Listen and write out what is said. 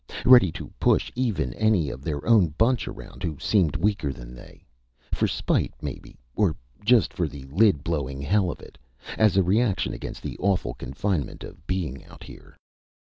Ready to push even any of their own bunch around who seemed weaker than they. For spite, maybe. Or just for the lid blowing hell of it as a reaction against the awful confinement of being out here.